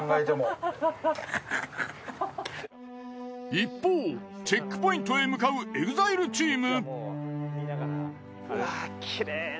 一方チェックポイントへ向かうＥＸＩＬＥチーム。